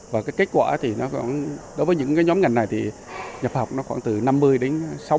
và kết quả đối với những nhóm ngành này thì nhập học khoảng từ năm mươi đến sáu mươi